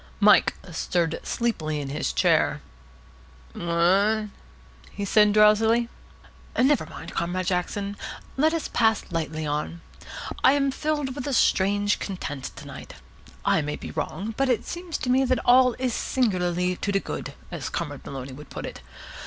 Mike stirred sleepily in his chair. "What?" he said drowsily. "Never mind, Comrade Jackson. Let us pass lightly on. I am filled with a strange content to night. I may be wrong, but it seems to me that all is singularly to de good, as Comrade Maloney would put it.